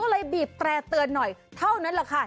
ก็เลยบีบแตร่เตือนหน่อยเท่านั้นแหละค่ะ